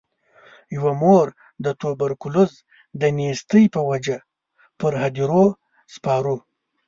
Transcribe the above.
یوه مور د توبرکلوز د نیستۍ په وجه پر هدیرو سپارو.